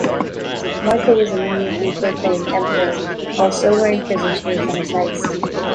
Michael was immediately proclaimed Emperor, while still wearing prison chains on his legs.